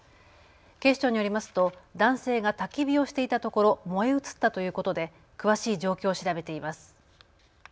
警視庁によりますと男性がたき火をしていたところ燃え移ったということで詳しい状況を調べています。